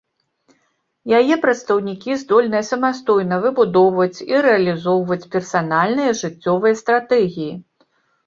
Яе прадстаўнікі здольныя самастойна выбудоўваць і рэалізоўваць персанальныя жыццёвыя стратэгіі.